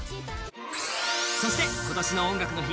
そして今年の「音楽の日」